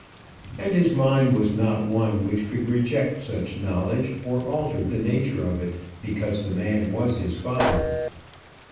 And his mind was not one which could reject such knowledge, or alter the nature of it because the man was his father.